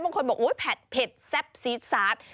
บางคนบอกโอ๊ยแผดเผ็ดแซ่บซีดซาส